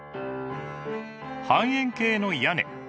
半円形の屋根。